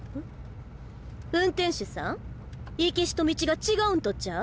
運転手さん行きしと道が違うんとちゃう？